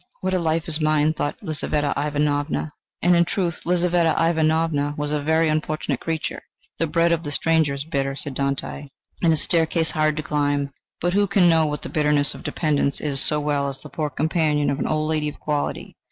"What a life is mine!" thought Lizaveta Ivanovna. And, in truth, Lizaveta Ivanovna was a very unfortunate creature. "The bread of the stranger is bitter," says Dante, "and his staircase hard to climb." But who can know what the bitterness of dependence is so well as the poor companion of an old lady of quality?